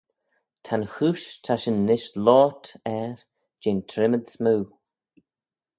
Ta'n chooish ta shin nish loayrt er jeh'n trimmid smoo.